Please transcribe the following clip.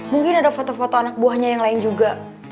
mungkin ada foto foto anak buahnya yang lain juga